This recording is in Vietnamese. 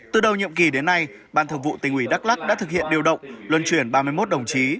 từ đầu nhiệm kỳ đến nay ban thượng vụ tỉnh ủy đắk lắc đã thực hiện điều động luân chuyển ba mươi một đồng chí